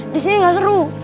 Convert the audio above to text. di sini gak seru